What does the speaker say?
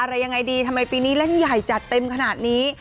อะไรยังไงดีทำไมปีนี้เล่นใหญ่จัดเต็มขนาดนี้